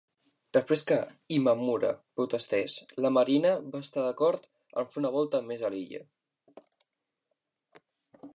Després que Imamura protestés, la marina va estar d'acord en fer una volta més a l"illa.